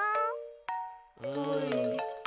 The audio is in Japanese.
うん。